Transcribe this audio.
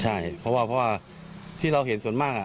ใช่เพราะว่าที่เราเห็นส่วนมาก